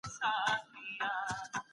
دغه کڅوڼه زما خور ته ډېره پکار وه.